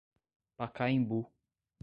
Pacaembu